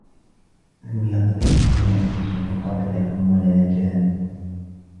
لم يطمثهن إنس قبلهم ولا جان